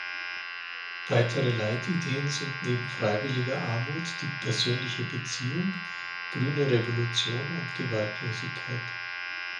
Weitere Leitideen sind neben freiwilliger Armut die „persönliche Beziehung“, „Grüne Revolution“ und Gewaltlosigkeit.